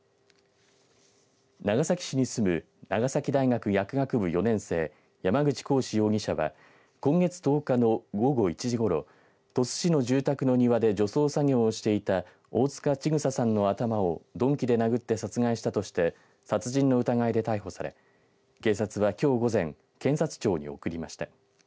長崎市に住む長崎大学薬学部４年生山口鴻志容疑者は今月１０日の午後１時ごろ鳥栖市の住宅の庭で除草作業をしていた大塚千種さんの頭を鈍器で殴って殺害したとして殺人の疑いで逮捕され警察は、きょう午前検察庁に送りました。